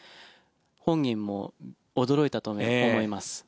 本人も驚いたと思います。